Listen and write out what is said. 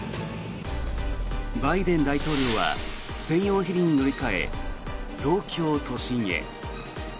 バイデン大統領は専用ヘリに乗り換え東京都心へ。